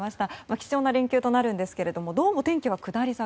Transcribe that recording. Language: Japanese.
貴重な連休となりますがどうもお天気は下り坂。